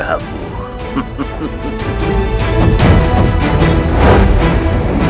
kau akan menghadapinya rasul